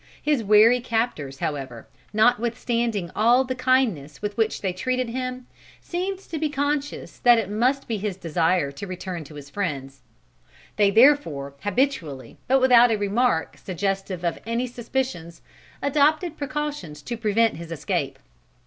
His wary captors however, notwithstanding all the kindness with which they treated him, seemed to be conscious that it must be his desire to return to his friends. They therefore habitually, but without a remark suggestive of any suspicions, adopted precautions to prevent his escape.